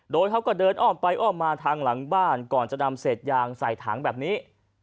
โดยเขาก็เดินอ้อมไปอ้อมมาทางหลังบ้านก่อนจะนำเศษยางใส่ถังแบบนี้